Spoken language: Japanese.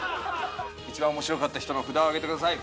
一番面白かった人の札を上げてください。